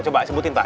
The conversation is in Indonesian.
coba sebutin pak